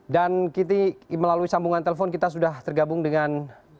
dan kita melalui sambungan telepon kita sudah tergabung dengan